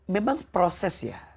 memang proses ya